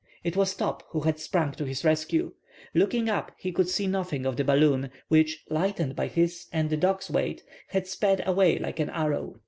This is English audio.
It was Top, who had sprung to his rescue. Looking up, he could see nothing of the balloon, which, lightened by his and the dog's weight, had sped away like an arrow.